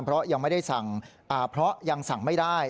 เพราะยังไม่ได้สั่งเพราะยังสั่งไม่ได้